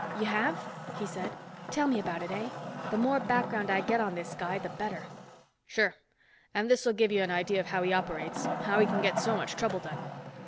"You have?" he said. "Tell me about it, eh? The more background I get on this guy, the better." "Sure. And this'll give you an idea of how he operates, how he can get so much trouble done.